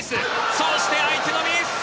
そして、相手のミス。